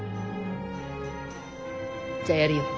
じゃあやるよ。